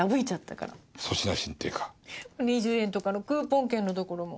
２０円とかのクーポン券のところも。